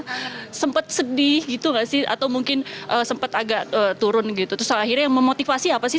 ya ya yang paling bikin kangen ya ya sempat sedih gitu gak sih atau mungkin sempat agak turun gitu terus akhirnya memotivasi apa sih